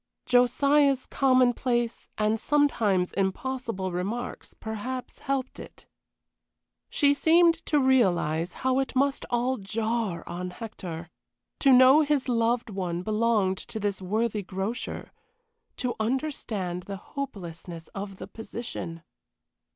Josiah's commonplace and sometimes impossible remarks perhaps helped it. She seemed to realize how it must all jar on Hector. To know his loved one belonged to this worthy grocer to understand the hopelessness of the position!